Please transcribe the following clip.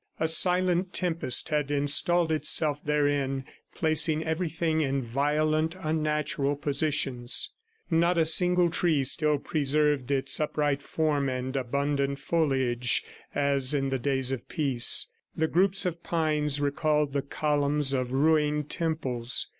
A silent tempest had installed itself therein, placing everything in violent unnatural positions. Not a single tree still preserved its upright form and abundant foliage as in the days of peace. The groups of pines recalled the columns of ruined temples.